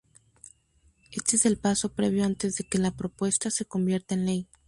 Este es el paso previo antes de que la propuesta se convierta en Ley.